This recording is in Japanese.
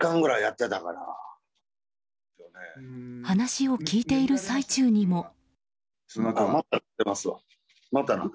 話を聞いている最中にも。